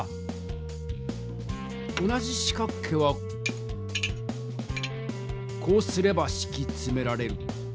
同じ四角形はこうすればしきつめられる。